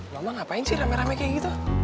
loh mang ngapain sih rame rame kayak gitu